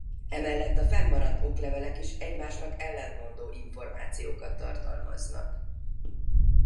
Emellett a fennmaradt oklevelek is egymásnak ellentmondó információkat tartalmaznak.